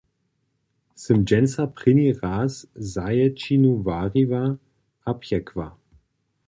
Sym dźensa prěni raz zaječinu wariła a pjekła.